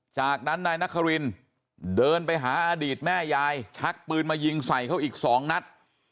จากนั้นนายนครินเดินไปหาอดีตแม่ยายชักปืนมายิงใส่เขาอีก๒นัด